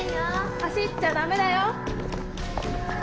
・・走っちゃダメだよ！